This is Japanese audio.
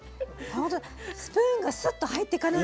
ほんとだスプーンがスッと入っていかない。